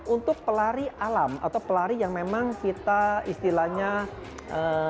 untuk pelari alam atau pelari yang memang kita istilahnya lari terlalu cepat